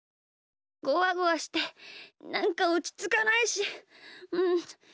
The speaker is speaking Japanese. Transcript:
ゴワゴワしてなんかおちつかないしちょっといたい。